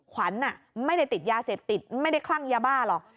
ขวัญไม่ได้ติดยาเสพติดไม่ได้คลั่งยาบ้าหรอก